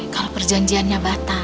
kalau perjanjiannya batal